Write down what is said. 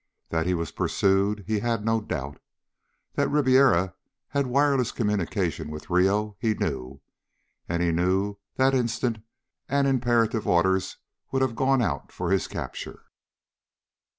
That he was pursued, he had no doubt. That Ribiera had wireless communications with Rio, he knew. And he knew that instant, and imperative orders would have gone out for his capture.